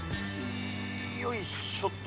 よいしょっと。